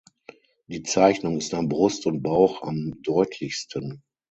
Die Zeichnung ist an Brust und Bauch am deutlichsten.